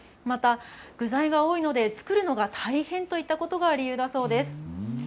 また、具材が多いので作るのが大変だといったことが理由だそうです。